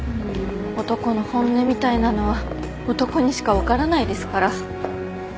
男の本音みたいなのは男にしか分からないですから。